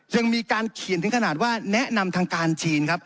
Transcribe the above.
ยังมีการเขียนถึงขนาดว่าแนะนำทางการจีนครับ